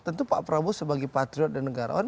tentu pak prabowo sebagai patriot dan negarawan